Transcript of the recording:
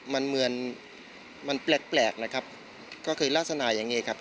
มันเหมือนมันแปลกครับเคยลาสนียังไงครับ